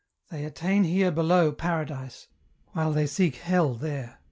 They attain here below Paradise, while they seek hell there.